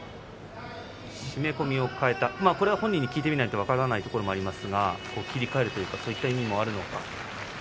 締め込みを替えたこれは本人に聞いてみないと分からないところがありますが切り替えるとかそういう意味もあるのか。